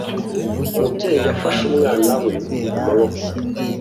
Umubyeyi yafashe umwana we mu maboko.